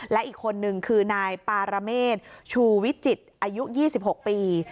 และอีกคนนึงคือนายปารเมษชูวิจิตรอายุ๒๖ปี